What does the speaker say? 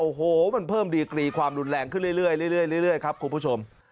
โอ้โหมันเพิ่มดีกรีความรุนแรงขึ้นเรื่อยครับคุณผู้ชม